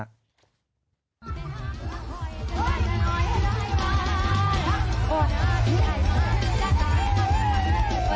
กลับลงทีไหร่มามันจะตายถ้าแพ้